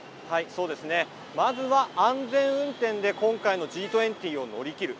そうですねまずは安全運転で今回のＧ２０を乗り切る。